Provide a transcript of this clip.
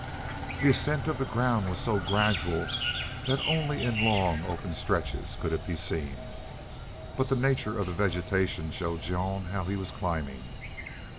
The ascent of the ground was so gradual that only in long, open stretches could it be seen. But the nature of the vegetation showed Jean how he was climbing.